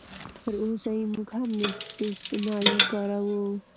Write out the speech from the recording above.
تراوسه یې موږ هم استثنایي کاروو.